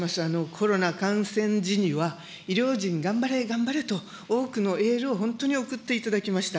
コロナ感染時には、医療人、頑張れ、頑張れと、多くのエールを本当に送っていただきました。